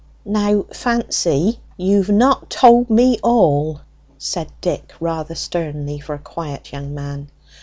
"Now, Fancy, you've not told me all!" said Dick, rather sternly for a quiet young man.